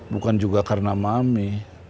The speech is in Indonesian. bukan juga karena mami